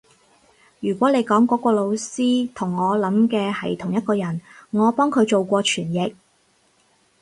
如果你講嗰個老師同我諗嘅係同一個人，我幫佢做過傳譯